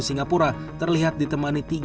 singapura terlihat ditemani tiga